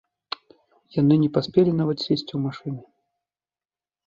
Яны не паспелі нават сесці ў машыны.